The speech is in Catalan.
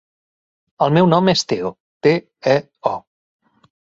El meu nom és Teo: te, e, o.